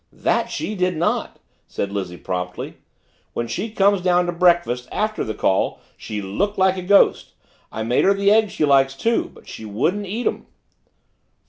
"That she did not," said Lizzie promptly. "When she came down to breakfast, after the call, she looked like a ghost. I made her the eggs she likes, too but she wouldn't eat 'em."